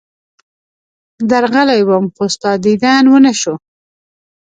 درغلی وم، خو ستا دیدن ونه شو.